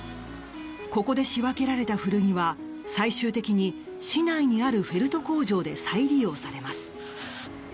ここで仕分けられた古着は最終的に市内にあるフェルト工場で再利用されます。